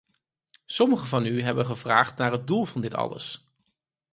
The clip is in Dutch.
Sommigen van u hebben gevraagd naar het doel van dit alles.